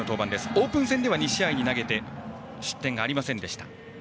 オープン戦では２試合投げて失点がありませんでした。